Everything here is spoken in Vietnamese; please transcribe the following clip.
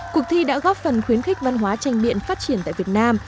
cuộc thi đã góp phần khuyến khích văn hóa tranh biện phát triển tại việt nam